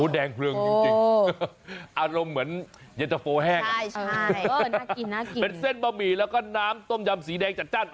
แดงเพลิงจริงอารมณ์เหมือน